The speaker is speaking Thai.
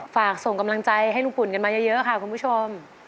ส่งกำลังใจให้ลุงปุ่นกันมาเยอะค่ะคุณผู้ชม